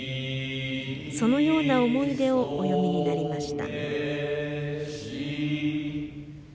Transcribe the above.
そのような思い出をお詠みになりました。